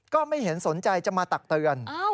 ก็ไม่เห็นสนใจจะมาตักเตือน